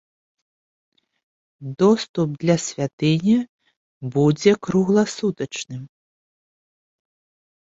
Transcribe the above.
Доступ да святыні будзе кругласутачным.